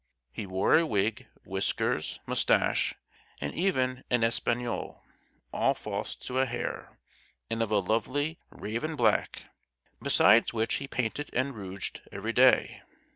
He wore a wig, whiskers, moustache, and even an "espagnole," all false to a hair, and of a lovely raven black; besides which he painted and rouged every day.